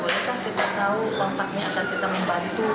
bolehkah kita tahu kontaknya akan kita membantu